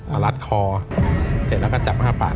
เอารัดคอเสร็จแล้วก็จับอ้าปาก